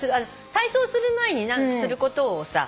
体操する前にすることをさ